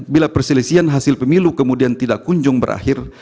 bila perselisihan hasil pemilu kemudian tidak kunjung berakhir